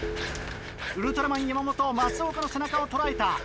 ウルトラマン山本松岡の背中を捉えた。